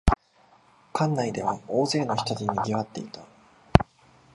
館内では大勢の人でにぎわっていた